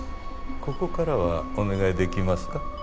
ここからはお願い出来ますか？